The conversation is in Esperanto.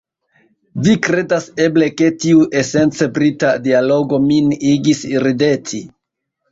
Vi kredas, eble, ke tiu esence Brita dialogo min igis rideti?